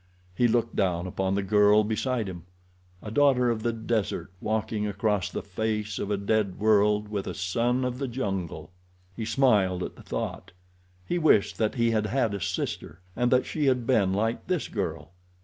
He looked down upon the girl beside him—a daughter of the desert walking across the face of a dead world with a son of the jungle. He smiled at the thought. He wished that he had had a sister, and that she had been like this girl.